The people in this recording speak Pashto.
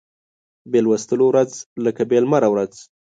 بې لوستلو ورځ لکه بې لمره ورځ